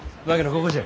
ここじゃ。